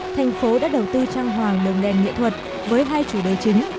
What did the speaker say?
thành phố đã đầu tư trang hoàng đường đèn nghệ thuật với hai chủ đề chính